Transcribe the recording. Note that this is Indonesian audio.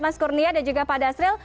mas kurnia dan juga pak dasril